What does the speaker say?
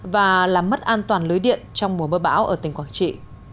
và làm mất an toàn lưới điện trong mùa mưa bão ở tỉnh quảng trị